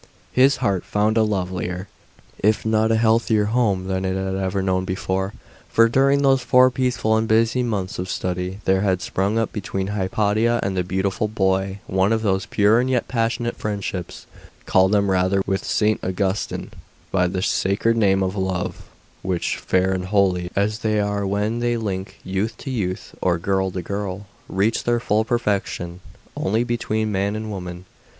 His heart found a lovelier, if not a healthier home, than it had ever known before. For during those four peaceful and busy months of study there had sprung up between Hypatia and the beautiful boy one of those pure and yet passionate friendships call them rather, with St. Augustine, by the sacred name of love which, fair and holy as they are when they link youth to youth, or girl to girl, reach their full perfection only between man and woman.